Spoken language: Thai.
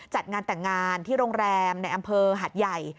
จัดงานแต่งงานที่โรงแรมในอำเภอหัดใหญ่